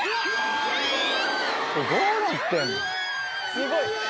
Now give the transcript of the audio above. すごい！